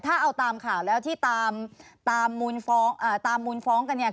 ถ้าเอาตามข่าวแล้วที่ตามตามมูลฟ้องกันเนี่ย